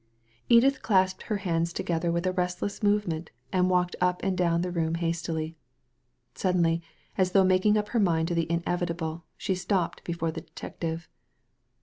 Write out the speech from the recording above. Edith clasped her hands together with a restless movement, and walked up and down the room hastily. Suddenly, as though making up her mind to the inevitable, she stopped before the detective.